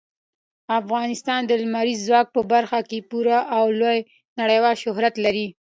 افغانستان د لمریز ځواک په برخه کې پوره او لوی نړیوال شهرت لري.